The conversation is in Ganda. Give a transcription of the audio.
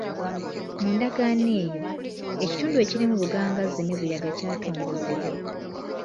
Mu Ndagaano eyo, ekitundu ekirimu Bugangazzi ne Buyaga kyatongozebwa.